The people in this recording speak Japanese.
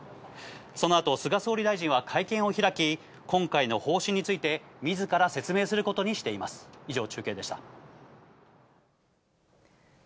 そのあと、菅総理大臣は会見を開き、今回の方針について、みずから説明することにしています。